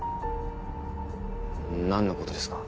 何のことですか？